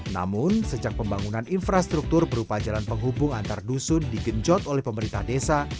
namun sejak pembangunan infrastruktur berupa jalan penghubung antar dusun digenjot oleh pemerintah desa